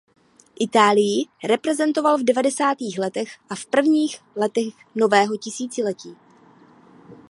Itálii reprezentoval v devadesátých letech a v prvních letech nového tisíciletí.